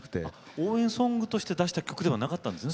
応援ソングとして出した曲ではないんですね。